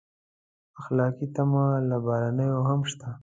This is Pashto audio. اخلاقي تمه له بهرنیانو هم شته.